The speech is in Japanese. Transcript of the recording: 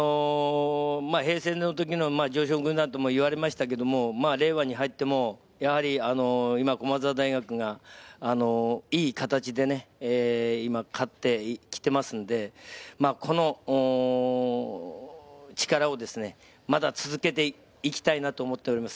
平成の時の常勝軍団と言われましたけれど、令和に入っても駒澤大学がいい形で勝ってきていますので、この力をまだ続けてきたいと思っています。